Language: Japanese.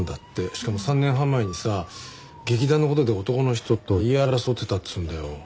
しかも３年半前にさ劇団の事で男の人と言い争ってたっつうんだよ。